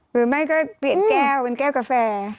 หรือไม่ก็เปลี่ยนแก้วเป็นแก้วกาแฟ